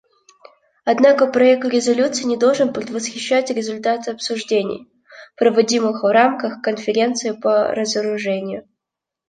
Однако проект резолюции не должен предвосхищать результаты обсуждений, проводимых в рамках Конференции по разоружению.